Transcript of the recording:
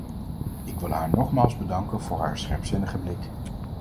Ik wil haar nogmaals bedanken voor haar scherpzinnige blik.